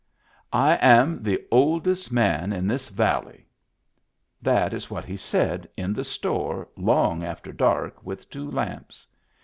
" I am the oldest man in this valley." That is what he said in the store long after dark with two lamps.